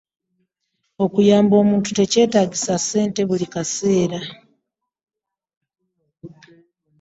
Okuyamba omuntu tekyetaagisa ssente buli kaseera.